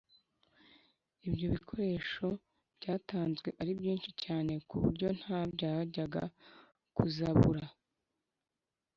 ibyo bikoresho byatanzwe ari byinshi cyane ku buryo nta byajyaga kuzabura.